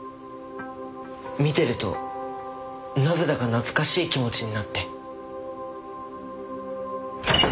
見てるとなぜだか懐かしい気持ちになって。